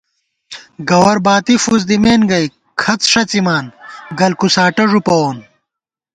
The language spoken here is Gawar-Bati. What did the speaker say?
گوَر باتی فُس دِمېن گئ، کھڅ ݭَڅِمان گلکُساٹہ ݫُپَوون